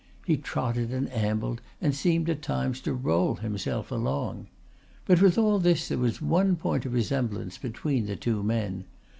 He trotted and ambled and seemed at times to roll himself along. But with all this there was one point of resemblance between the two men.